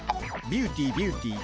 ビューティービューティー。